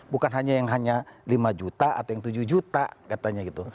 bukan hanya yang hanya lima juta atau yang tujuh juta katanya gitu